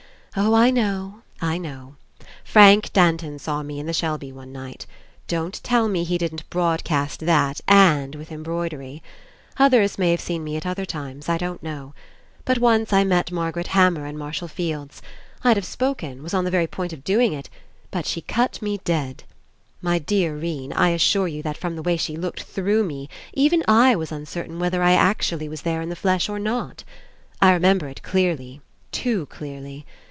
Oh, I know, I know. Frank Danton saw me in the Shelby one night. Don't tell me he didn't broadcast that, and with embroidery. Others may have 29 PASSING seen me at other times. I don't know. But once I met Margaret Hammer In Marshall Field's. I'd have spoken, was on the very point of doing it, but she cut me dead. My dear 'Rene, I as sure you that from the way she looked through me, even I was uncertain whether I was actually there In the flesh or not. I remember It clearly, too clearly.